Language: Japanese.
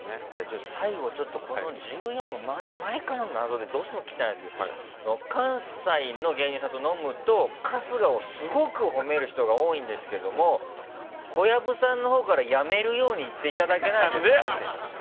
最後、１４が前からの謎でどうしても聞きたいんですけど関西の芸人さんと飲むと春日をすごく褒める人が多いんですけれども小籔さんのほうからやめるように言っていただけないですか。